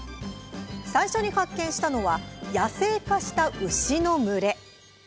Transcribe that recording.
最初に発見したのは野生化した牛の群れ。